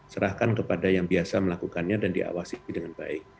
serahkan kepada yang biasa melakukannya dan diawasi dengan baik